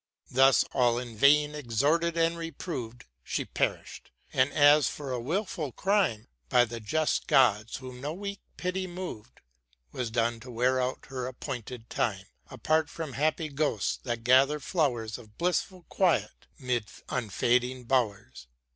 Thus, all in vain exhorted and reproved, She perished ; and as for a wilful crime, By the just Gods whom no weak pity mov'd. Was doom'd to wear out her appointed time, Apart from happy Ghosts, that gather flowers Of blissful quiet 'mid unfading bowers.